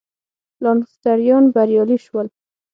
لانکسټریان بریالي شول.